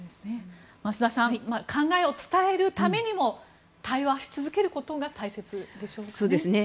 増田さん考えを伝えるためにも対話し続けることが大切でしょうね。